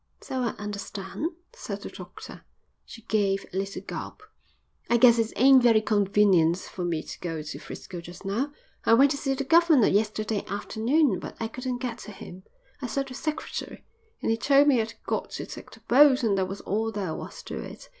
"So I understand," said the doctor. She gave a little gulp. "I guess it ain't very convenient for me to go to 'Frisco just now. I went to see the governor yesterday afternoon, but I couldn't get to him. I saw the secretary, and he told me I'd got to take that boat and that was all there was to it.